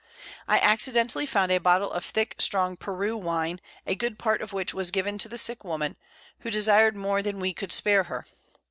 I accidentally found a Bottle of thick strong Peru Wine, a good Part of which was given to the sick Woman, who desir'd more than we could spare her.